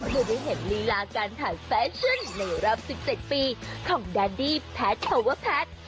เพื่อได้เห็นลีลาการถ่ายแฟชั่นในรอบ๑๗ปีของแดดี้แพทย์โทเวอร์แพทย์